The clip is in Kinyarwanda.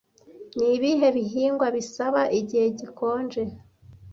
Ni ibihe bihingwa bisaba igihe gikonje